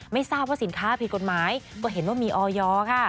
ไม่ทราบว่าสินค้าผิดกฎหมายก็เห็นว่ามีออยค่ะ